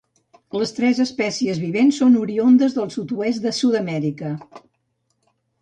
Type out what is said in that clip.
Les tres espècies vivents són oriündes del sud-est de Sud-amèrica.